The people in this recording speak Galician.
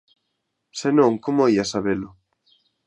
Se non, como ía sabelo?